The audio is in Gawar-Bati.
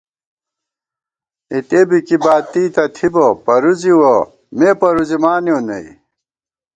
اِتے بی کی باتی تہ تھِبہ پرُوزِوَہ ، مے پروزِمانېؤ نئ